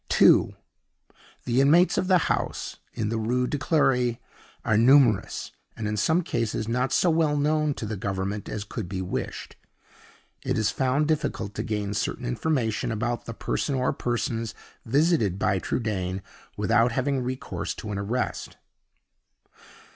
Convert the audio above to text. (2.) The inmates of the house in the Rue de Clery are numerous, and in some cases not so well known to the Government as could be wished. It is found difficult to gain certain information about the person or persons visited by Trudaine without having recourse to an arrest.